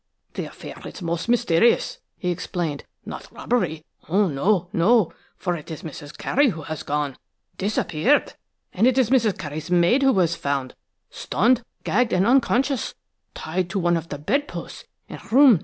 "The affair is most mysterious," he explained, "not robbery–oh, no! no!–for it is Mrs. Carey, who has gone–disappeared! And it is Mrs. Carey's maid who was found, stunned, gagged and unconscious, tied to one of the bedposts in room No.